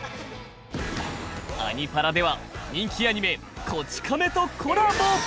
「アニ×パラ」では人気アニメ「こち亀」とコラボ。